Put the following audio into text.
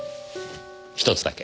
ひとつだけ。